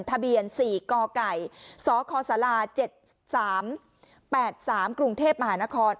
ทะเบียน๔กไก่สคศ๗๓๘๓กรุงเทพมหานคร